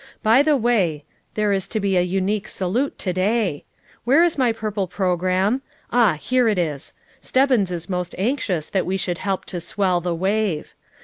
By the way, there is to be a unique salute today; where is my purple program? Ah, here it is; Stebbins is most anxious that we should help to swell the wave.